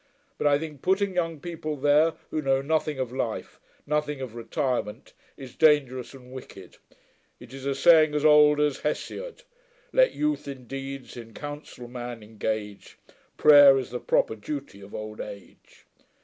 But I think putting young people there, who know nothing of life, nothing of retirement, is dangerous and wicked. It is a saying as old as Hesiod, [words in Greek] [Footnote: Let youth in deeds, in counsel man engage; Prayer is the proper duty of old age.